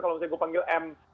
kalau misalnya gue panggil m